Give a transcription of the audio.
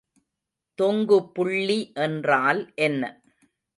தொங்குபுள்ளி என்றால் என்ன?